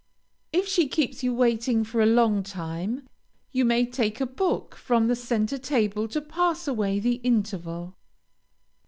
If she keeps you waiting for a long time, you may take a book from the centre table to pass away the interval.